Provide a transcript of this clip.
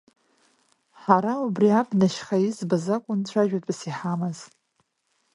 Ҳара убри абнашьха избаз акәын цәажәатәыс иҳамаз.